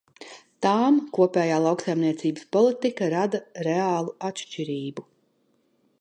Tām kopējā lauksaimniecības politika rada reālu atšķirību.